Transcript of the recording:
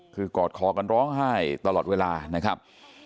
คือกอดคอกันร้องไห้ตลอดเวลานะครับ